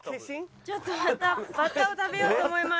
ちょっとまたバッタを食べようと思います。